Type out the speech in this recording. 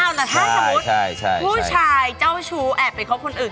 เอาแต่ถ้าสมมุติผู้ชายเจ้าชู้แอบไปคบคนอื่น